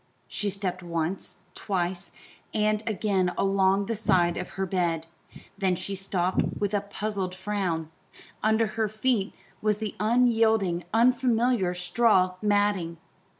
She stepped once, twice, and again along the side of her bed; then she stopped with a puzzled frown under her feet was the unyielding, unfamiliar straw matting.